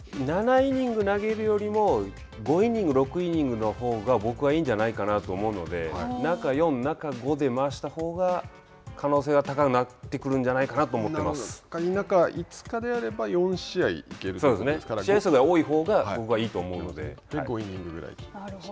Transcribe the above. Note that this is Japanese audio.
７イニングス投げるよりも５イニングス、６イニングスのほうが僕はいいんじゃないかなと思うので、中４、中５で回したほうが可能性が高くなってくるんじゃな中５日であれば試合数が多いほうが僕はいいとで５イニングスと。